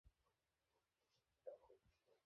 Coolant leak হচ্ছে।